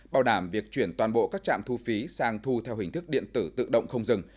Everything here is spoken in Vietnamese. bảo đảm việc chuyển toàn bộ các trạm thu phí sang thu theo hình thức điện tử tự động không dừng